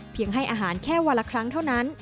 ให้อาหารแค่วันละครั้งเท่านั้น